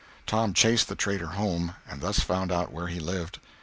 Tom chased the traitor home, and thus found out where he lived.